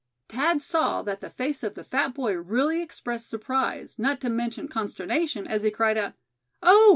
Thad saw that the face of the fat boy really expressed surprise, not to mention consternation, as he cried out: "Oh!